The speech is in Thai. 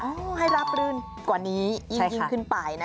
อุปสรรคปัญหาให้ราบรื่นกว่านี้ยิงขึ้นไปนะ